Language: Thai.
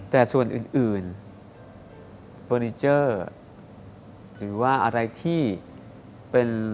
แต่ส่วนอื่นเฟอร์นิเจอร์หรือว่าอะไรที่เป็น